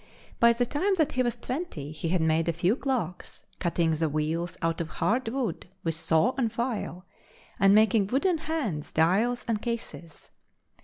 By the time that he was twenty, he had made a few clocks, cutting the wheels out of hard wood with saw and file, and making wooden hands, dials, and cases.